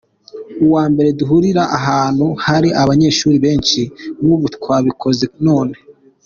Ubwa mbere duhurira ahantu hari abanyeshuri benshi nk’uku twabikoze none.